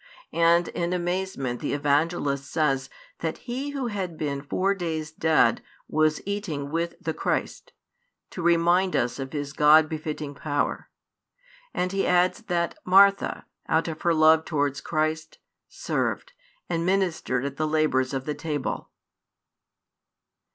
And in amazement the Evangelist says that he who had been four days dead was eating with the Christ, to remind us of His God befitting power. And he adds that Martha, out of her love towards Christ, served, and ministered at the labours of the table.